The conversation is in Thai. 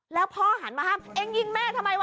แล้วพ่อหันมาห้ามเองยิงแม่ทำไมวะ